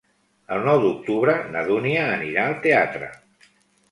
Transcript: El nou d'octubre na Dúnia anirà al teatre.